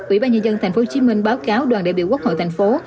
ủy ban nhân dân tp hcm báo cáo đoàn đại biểu quốc hội thành phố